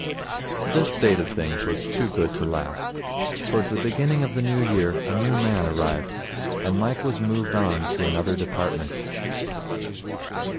This state of things was too good to last. Towards the beginning of the New Year a new man arrived, and Mike was moved on to another department.